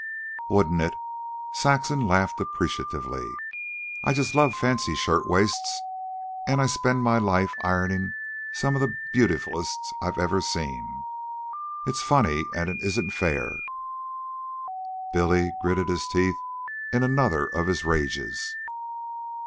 "Wouldn't it?" Saxon laughed appreciatively. "I just love fancy shirtwaists, an' I spent my life ironing some of the beautifullest I've ever seen. It's funny, an' it isn't fair." Billy gritted his teeth in another of his rages.